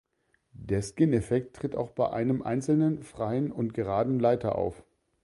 Der Skin-Effekt tritt auch bei einem einzelnen, freien und geraden Leiter auf.